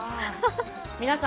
皆さん